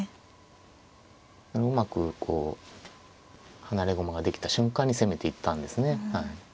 うまくこう離れ駒ができた瞬間に攻めていったんですね。